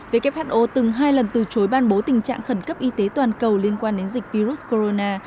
who từng hai lần từ chối ban bố tình trạng khẩn cấp y tế toàn cầu liên quan đến dịch virus corona